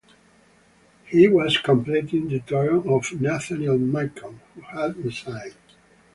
He was completing the term of Nathaniel Macon, who had resigned.